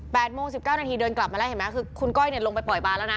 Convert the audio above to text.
โมงสิบเก้านาทีเดินกลับมาแล้วเห็นไหมคือคุณก้อยเนี่ยลงไปปล่อยบานแล้วนะ